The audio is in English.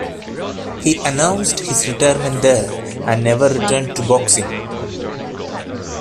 He announced his retirement there, and never returned to boxing.